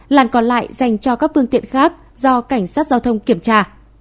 làn còn lại dành cho các phương tiện khác do cảnh sát giao thông kiểm tra